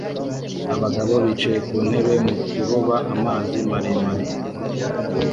Abagabo bicaye ku ntebe mu kuroba amazi maremare